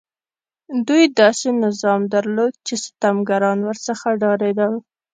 دوی داسې نظام درلود چې ستمګران ورڅخه ډارېدل.